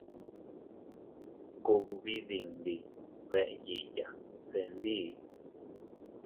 Kugbi dindi beʼeyiya se ndi.